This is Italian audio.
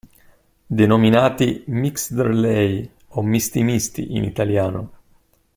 Denominati "mixed relay" o "misti misti" in italiano.